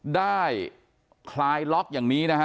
ได้คลายล็อกอย่างนี้